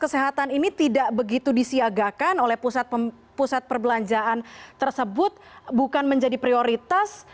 kesehatan ini tidak begitu disiagakan oleh pusat perbelanjaan tersebut bukan menjadi prioritas